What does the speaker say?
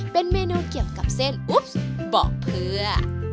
เป็นเมนูเกี่ยวกับเส้นอุ๊บบอกเพื่อ